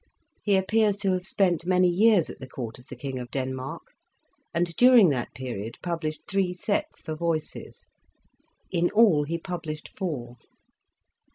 He appears to have spent many years at the court of the King of Denmark, and during that period published three '' Sets " for voices ; in all he published four.